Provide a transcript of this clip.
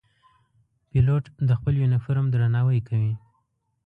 پیلوټ د خپل یونیفورم درناوی کوي.